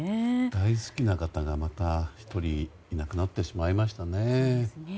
大好きな方がまた１人亡くなってしまいましたね。